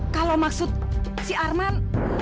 kalau maksud si arman